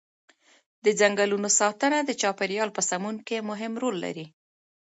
د ځنګلونو ساتنه د چاپیریال په سمون کې مهم رول لري.